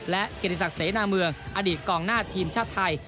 และเกียรติศักดิ์เสนาเมืองอดีตกองหน้าทีมชาติไทย